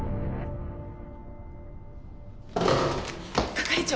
係長。